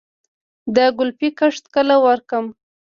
د ګلپي کښت کله وکړم؟